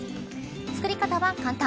作り方は簡単。